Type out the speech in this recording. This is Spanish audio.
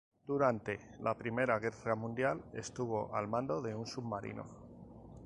Durante la Primera Guerra Mundial, estuvo al mando de un submarino.